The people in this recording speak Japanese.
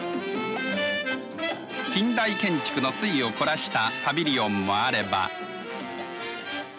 近代建築の粋を凝らしたパビリオンもあれば。